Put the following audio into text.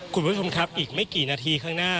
คุณผู้ชมครับอีกไม่กี่นาทีข้างหน้า